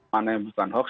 mana yang bukan hoax